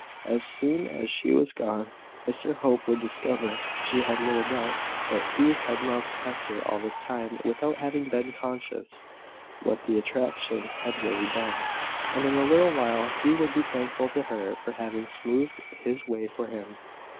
As soon as she was gone, Mr Hope would discover, she had little doubt, that he had loved Hester all this time without having been conscious what the attraction had really been; and in a little while he would be thankful to her for having smoothed his way for him.